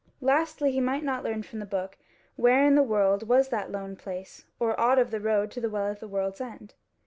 Lastly, he might not learn from the book where in the world was that lone place, or aught of the road to the Well at the World's End.